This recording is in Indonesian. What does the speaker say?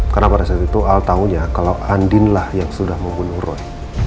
karena pada saat itu al taunya kalau andinlah yang sudah membunuh roy